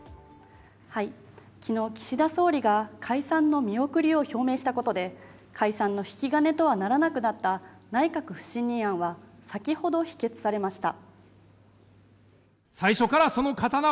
昨日、岸田総理が解散の見送りを表明したことで解散の引き金とはならなくなった内閣不信任案は、先ほど否決されました。